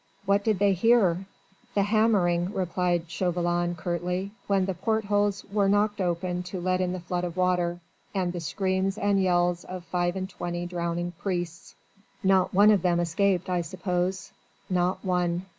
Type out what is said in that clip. "What did they hear?" "The hammering," replied Chauvelin curtly, "when the portholes were knocked open to let in the flood of water. And the screams and yells of five and twenty drowning priests." "Not one of them escaped, I suppose?" "Not one."